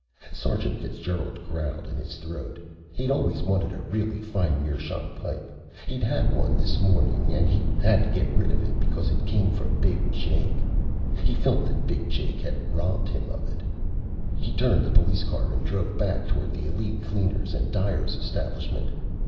Sergeant Fitzgerald growled in his throat. He'd always wanted a really fine meerschaum pipe. He'd had one this morning, and he'd had to get rid of it because it came from Big Jake. He felt that Big Jake had robbed him of it. He turned the police car and drove back toward the Elite Cleaners and Dyers establishment.